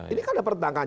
ini kan ada pertentangan